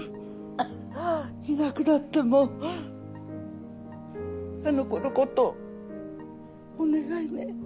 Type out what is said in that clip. いなくなってもあの子のことお願いね。